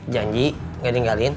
janji gak dinggalin